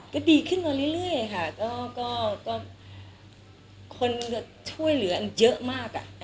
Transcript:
ก็ดีขึ้นมาเรื่อยเรื่อยค่ะก็ก็ก็คนช่วยเหลือเยอะมากอ่ะ